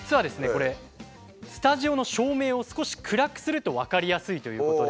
これスタジオの照明を少し暗くすると分かりやすいということで。